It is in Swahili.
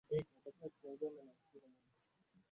ya safari ndefu ya biashara hukutana kwanza na